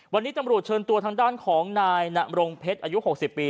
วันนี้ตำรวจเชิญตัวทางด้านของนายนรงเพชรอายุ๖๐ปี